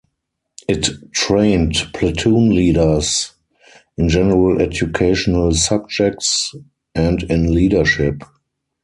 It trained platoon leaders in general educational subjects and in leadership.